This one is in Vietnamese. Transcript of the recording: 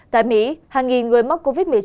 tại mỹ hàng nghìn người mắc covid một mươi chín